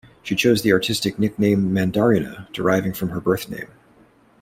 She chose the artistic nickname "Mandaryna" deriving from her birth name.